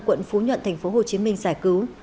quận phú nhuận tp hcm giải cứu